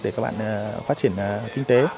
để các bạn phát triển kinh tế